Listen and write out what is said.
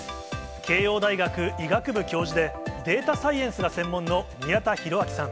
慶応大学医学部教授で、データサイエンスが専門の宮田裕章さん。